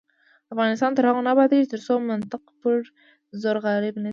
افغانستان تر هغو نه ابادیږي، ترڅو منطق پر زور غالب نشي.